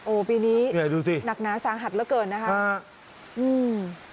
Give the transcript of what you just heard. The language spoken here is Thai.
โอ้วปีนี้ดูสิหนักหนาสางหัดแล้วเกินนะคะฮะอืม